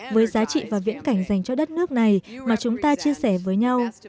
với giá trị và viễn cảnh dành cho đất nước này mà chúng ta chia sẻ với nhau